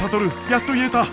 やっと言えた！